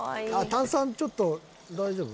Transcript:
炭酸ちょっと大丈夫？